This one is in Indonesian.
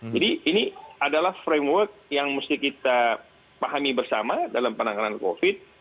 jadi ini adalah framework yang mesti kita pahami bersama dalam penanganan covid